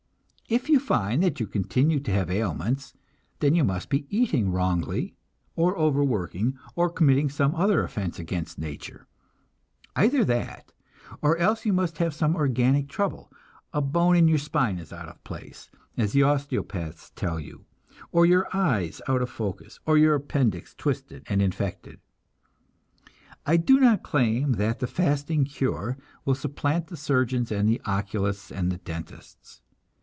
If you find that you continue to have ailments, then you must be eating wrongly, or overworking, or committing some other offense against nature; either that, or else you must have some organic trouble a bone in your spine out of place, as the osteopaths tell you, or your eyes out of focus, or your appendix twisted and infected. I do not claim that the fasting cure will supplant the surgeons and the oculists and the dentists.